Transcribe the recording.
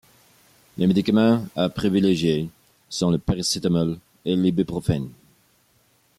Les médicaments à privilégier sont le paracétamol et l'ibuprofène.